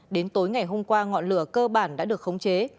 đến tối ngày hôm qua ngọn lửa cơ bản đã được khống chế